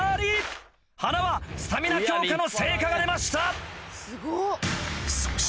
塙スタミナ強化の成果が出ました。